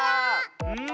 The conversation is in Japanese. うん。